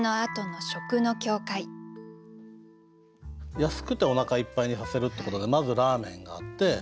安くておなかいっぱいにさせるってことでまずラーメンがあって。